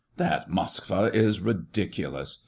" That Moskva is ridiculous